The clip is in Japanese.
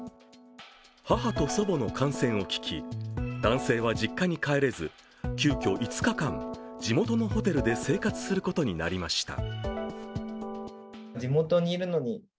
母と祖母の感染を聞き、男性は実家に帰れず、急きょ、５日間、地元のホテルで生活することになりました。